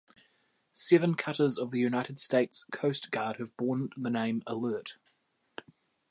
Seven cutters of the United States Coast Guard have borne the name Alert.